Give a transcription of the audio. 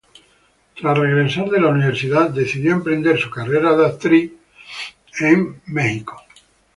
Tras regresar de la universidad, decidió emprender su carrera de actriz en Los Ángeles.